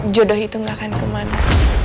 jodoh itu gak akan kemana